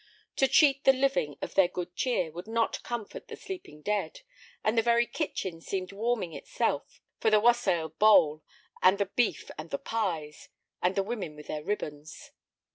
To cheat the living of their good cheer would not comfort the sleeping dead, and the very kitchen seemed warming itself for the wassail bowl, and the beef and the pies, and the women with their ribbons.